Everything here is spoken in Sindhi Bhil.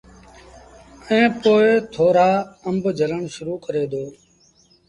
ائيٚݩ پو ٿورآ آݩب جھلڻ شرو ڪري دو۔